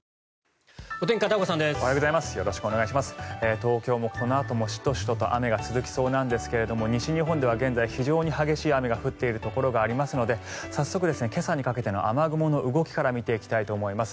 東京もこのあともシトシトと雨が続きそうなんですが西日本では現在非常に激しい雨が降っているところがありますので早速今朝にかけての雨雲の動きから見ていきたいと思います。